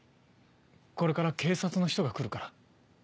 これから警察の人が来るから。